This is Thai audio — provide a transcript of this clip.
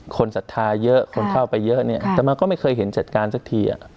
ศรัทธาเยอะคนเข้าไปเยอะเนี่ยแต่มันก็ไม่เคยเห็นจัดการสักที